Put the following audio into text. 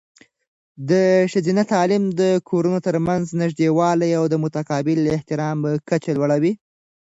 د ښځینه تعلیم د کورنیو ترمنځ نږدېوالی او د متقابل احترام کچه لوړوي.